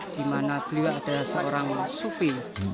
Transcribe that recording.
di mana beliau adalah seorang supir